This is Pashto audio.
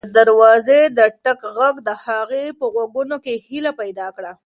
د دروازې د ټک غږ د هغې په غوږونو کې هیله پیدا کړه.